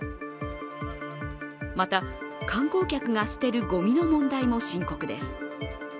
また、観光客が捨てるごみの問題も深刻です。